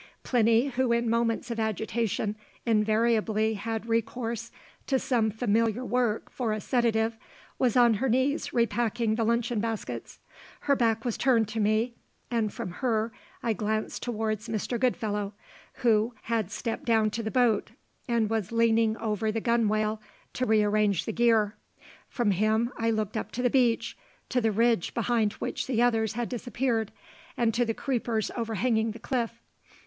Plinny, who in moments of agitation invariably had recourse to some familiar work for a sedative, was on her knees repacking the luncheon baskets. Her back was turned to me, and from her I glanced towards Mr. Goodfellow, who had stepped down to the boat, and was leaning over the gunwale to rearrange the gear. From him I looked up the beach, to the ridge behind which the others had disappeared, and to the creepers overhanging the cliff.